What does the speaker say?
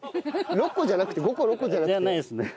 ６個じゃなくて５個６個じゃなくて？じゃないですね。